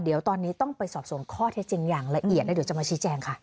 เดี๋ยวตอนนี้ต้องไปสอบส่วนข้อเท็จจริงอย่างละเอียดแล้วเดี๋ยวจะมาชี้แจงค่ะ